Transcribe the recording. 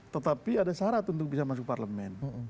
tetapi ada syarat untuk bisa masuk parlemen